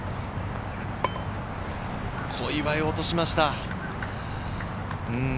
小祝、落としました。